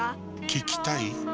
聞きたい？